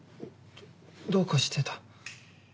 どどうかしてた。